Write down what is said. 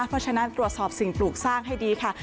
เพราะฉะนั้นตรวจสอบสิ่งปลูกสร้างให้ดีค่ะ